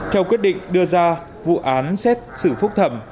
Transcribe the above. trong quyết định đưa ra vụ án xét xử phúc thẩm